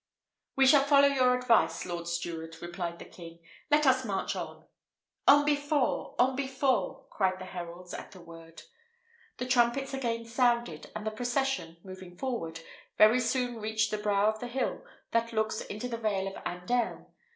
"We shall follow your advice, lord steward," replied the king; "let us march on." "On before! On before!" cried the heralds at the word. The trumpets again sounded, and the procession, moving forward, very soon reached the brow of the hill that looks into the vale of Andern.